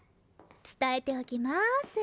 つたえておきます。